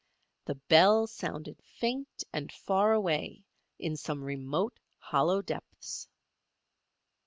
The bell sounded faint and far away in some remote, hollow depths.